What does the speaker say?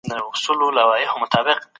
سیاسي ثبات د هېواد د پرمختګ اساس دی.